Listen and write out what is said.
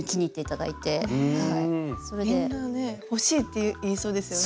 みんなね「欲しい」って言いそうですよね。